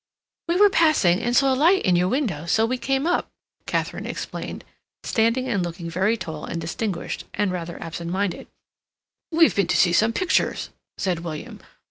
"We were passing and saw a light in your window, so we came up," Katharine explained, standing and looking very tall and distinguished and rather absent minded. "We have been to see some pictures," said William.